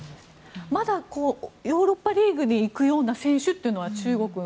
まだヨーロッパリーグに行くような選手というのは中国は。